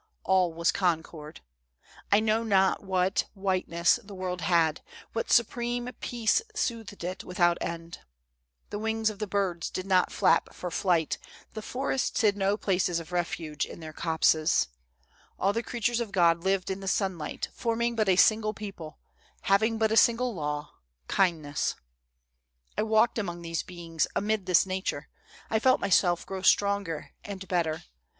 All was concord. I know not what whiteness the world had, what supreme peace soothed it without end. The wings of the birds did not flap for flight, the forests hid no places of refuge in their copses. All the crea tures of God lived in the sunlight, forming but a single people, having but a single law — kindness. " I walked among these beings, amid this nature. I felt myself grow stronger and better.